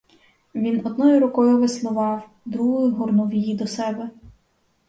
Він одною рукою веслував, другою горнув її до себе.